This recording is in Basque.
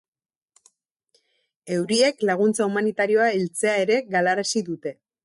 Euriek laguntza humanitarioa heltzea ere galarazi dute.